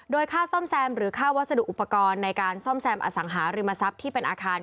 โดยค่าซ่อมแซมหรือค่าวัสดุอุปกรณ์ในการซ่อมแซมอสังหาริมทรัพย์ที่เป็นอาคาร